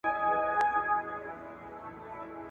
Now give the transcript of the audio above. خپل ګاونډي وږي مه پرېږدئ.